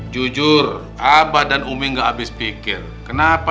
jujur abah dan umi nggak habis pikir kenapa naram ada memutuskan sepihak